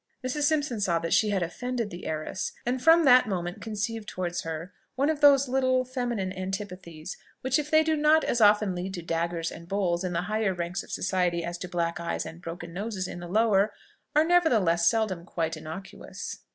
Mrs. Simpson saw that she had offended the heiress, and from that moment conceived towards her one of those little feminine antipathies, which if they do not as often lead to daggers and bowls in the higher ranks of society as to black eyes and broken noses in the lower, are nevertheless seldom quite innoxious.